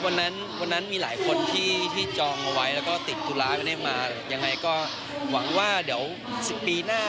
วันนั้นวันนั้นมีหลายคนที่จองเอาไว้แล้วก็ติดธุระไปเล่นมายังไงก็หวังว่าเดี๋ยว๑๐ปีหน้า